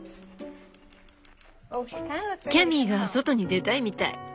キャミーが外に出たいみたい。